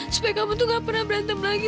supaya kamu tuh gak pernah berantem lagi